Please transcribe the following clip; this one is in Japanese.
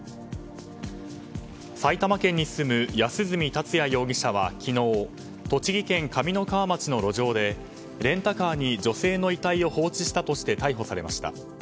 埼玉県に住む安栖達也容疑者は昨日、栃木県上三川町の路上でレンタカーに女性の遺体を放置したとして逮捕されました。